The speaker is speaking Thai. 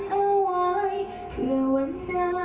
เคยมีคนหนึ่งยืดข้างเธอ